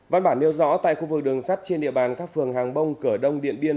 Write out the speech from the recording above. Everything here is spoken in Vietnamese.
văn bản nêu rõ tại khu vực đường sắt trên địa bàn các phường hàng bông cửa đông điện biên